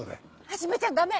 はじめちゃんダメ！